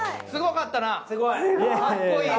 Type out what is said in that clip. かっこいいわ。